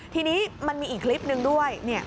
ทีนี้มันมีอีกคลิปหนึ่งด้วย